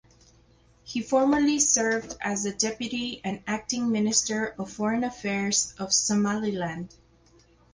He formerly served as the Deputy and acting Minister of Foreign Affairs of Somaliland.